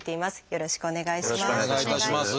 よろしくお願いします。